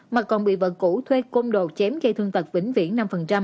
mà còn bị vợ cũ thuê côn đồ chém gây thương tật vĩnh viễn năm